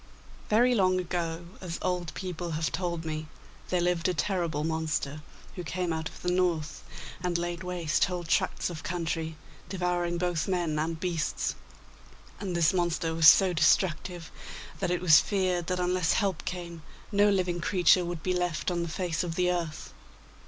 Very long ago, as old people have told me, there lived a terrible monster, who came out of the North, and laid waste whole tracts of country, devouring both men and beasts; and this monster was so destructive that it was feared that unless help came no living creature would be left on the face of the earth.